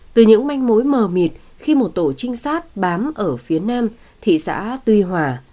từ những manh mối mờ mịt khi một tổ trinh sát bám ở phía nam thị xã tuy hòa